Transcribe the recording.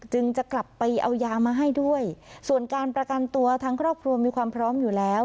จะกลับไปเอายามาให้ด้วยส่วนการประกันตัวทางครอบครัวมีความพร้อมอยู่แล้ว